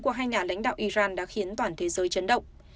của hai nhà lãnh đạo iran đã khiến toàn thế giới chấn động